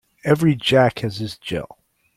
Every Jack has his Jill